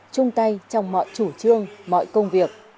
chung tay trong mọi chủ trương mọi công việc